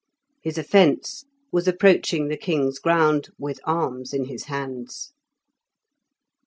His offence was approaching the king's ground with arms in his hands.